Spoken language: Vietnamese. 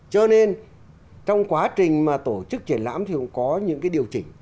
cho nên trong quá trình mà tổ chức triển lãm thì cũng có những cái điều chỉnh